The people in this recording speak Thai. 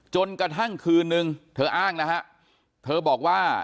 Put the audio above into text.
จนกระทั่งคืนนึงเธออ้างนะฮะเธอบอกว่า